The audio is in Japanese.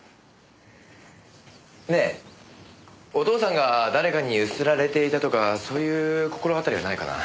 ねえお父さんが誰かに強請られていたとかそういう心当たりはないかな？